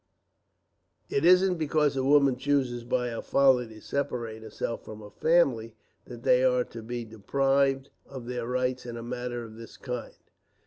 It isn't because a woman chooses, by her folly, to separate herself from her family, that they are to be deprived of their rights in a matter of this kind.